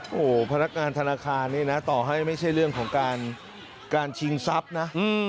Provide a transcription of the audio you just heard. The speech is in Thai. โอ้โหพนักงานธนาคารนี่นะต่อให้ไม่ใช่เรื่องของการชิงทรัพย์นะ